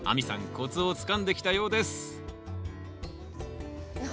コツをつかんできたようですえっ